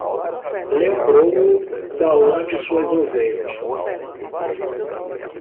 Lembrou-o da lã de suas ovelhas...